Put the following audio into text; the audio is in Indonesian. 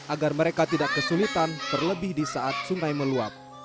agar mereka tidak kesulitan terlebih di saat sungai meluap